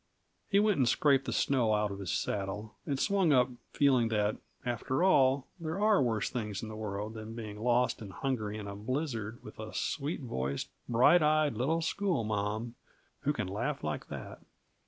He went and scraped the snow out of his saddle, and swung up, feeling that, after all, there are worse things in the world than being lost and hungry in a blizzard, with a sweet voiced, bright eyed little schoolma'am who can laugh like that.